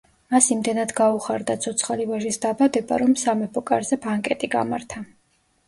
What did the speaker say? მას იმდენად გაუხარდა ცოცხალი ვაჟის დაბადება, რომ სამეფო კარზე ბანკეტი გამართა.